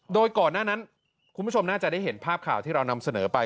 โดยก่อนหน้านั้นคุณผู้ชมน่าจะได้เห็นภาพข่าวที่เรานำเสนอไป